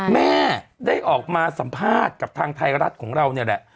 แม่ได้ออกมาสัมภาษณ์กับทางไทยรัฐของเราเนี่ยแหละ